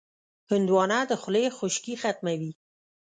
هندوانه د خولې خشکي ختموي.